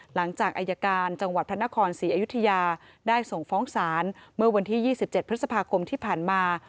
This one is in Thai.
หลังจากอายการจังหวัดพระนครศรีอยุธยาได้ส่งฟ้องศาลเมื่อวันที่๒๗พฤษภาคมที่ผ่านมา